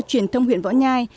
truyền thông huyện võ nhai